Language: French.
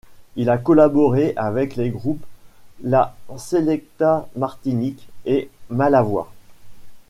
Il a collaboré avec les groupes La Selecta Martinique et Malavoi.